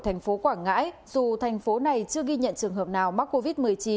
thành phố quảng ngãi dù thành phố này chưa ghi nhận trường hợp nào mắc covid một mươi chín